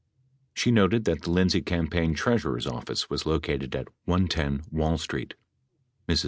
She noted that the Lindsay cam paign treasurer's office was located at 110 Wall Street. Mrs.